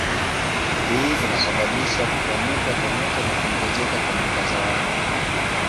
Hii inasababisha kupanuka kwa nyota na kuongezeka kwa mwangaza wake.